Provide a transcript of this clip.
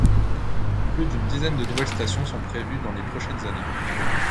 Plus d'une dizaine de nouvelles stations sont prévues dans les prochaines années.